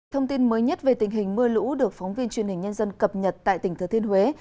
thông tin mới nhất về tình hình mưa lũ được phóng viên truyền hình nhân dân cập nhật tại tỉnh thừa thiên huế